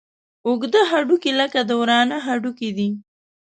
اوږده هډوکي لکه د ورانه هډوکي دي.